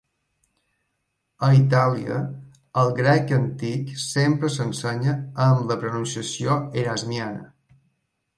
A Itàlia, el grec antic sempre s'ensenya amb la pronunciació Erasmiana.